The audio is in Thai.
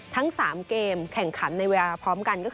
ทั้ง๓เกมแข่งขันในเวลาพร้อมกันก็คือ